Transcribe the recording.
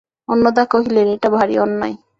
অন্নদা কহিলেন, এটা ভারি অন্যায়।